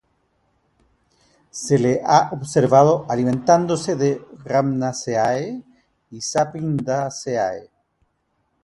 Se las ha observado alimentándose de Rhamnaceae y Sapindaceae.